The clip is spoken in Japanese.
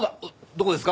どこですか？